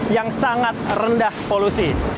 yang sangat rendah polusi